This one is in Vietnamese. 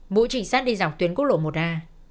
bộ trịnh sát đi dọc tuyến quốc lộ một a